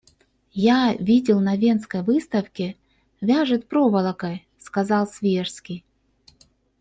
Я видел на Венской выставке, вяжет проволокой, — сказал Свияжский.